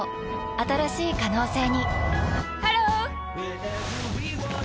新しい可能性にハロー！